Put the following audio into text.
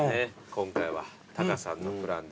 今回はタカさんのプランでね。